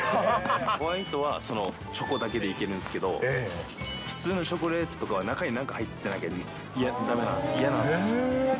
ホワイトはチョコだけでいけるんですけど、普通のチョコレートとかは、中に何か入ってないとだめなんです、嫌なんです。